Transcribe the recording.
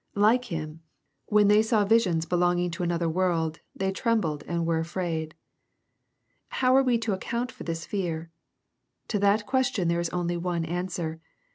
Like him, when they saw visions of things LUKK, CHAP. I. H belong! Dg to another world, they trembled and were afraid. How are we to account for this fear ? To that ques tion there is only one answer.